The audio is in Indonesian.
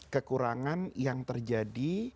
kekurangan yang terjadi